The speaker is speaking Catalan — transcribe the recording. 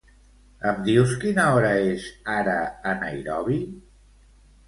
Em dius quina hora és ara a Nairobi?